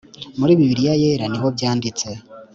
muri Bibilliya year niho byanditse